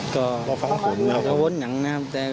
ก็จะวนอย่างนั้นแต่ก็